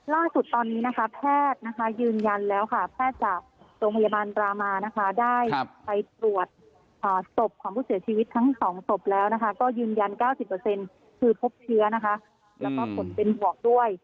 ล่าสุดตอนนี้นะคะแพทย์นะคะยืนยันแล้วค่ะแพทย์จากโรงพยาบาลรามานะคะได้ไปตรวจศพของผู้เสียชีวิตทั้ง๒ศพแล้วนะคะก็ยืนยัน๙๐คือพบเชื้อนะคะแล้วก็ผลเป็นบวกด้วย